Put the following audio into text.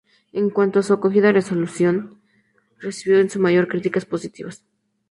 En cuanto a su acogida, "Resolution" recibió en su mayoría críticas positivas.